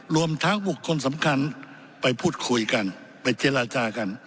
รวมทั้งบุคคลสำคัญไปพูดคุยกันไปเจรจากัน